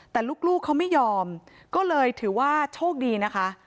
แต่ลูกเขาไม่ยอมก็เลยถือว่าโชคดีนะคะ